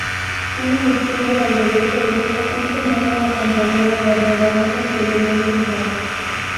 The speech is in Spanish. Una costumbre al beber cerveza es tomarla acompañada de rebanadas de limón con sal.